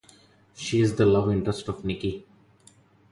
She's the love interest of Nicky.